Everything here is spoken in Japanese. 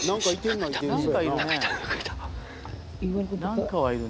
何かいた。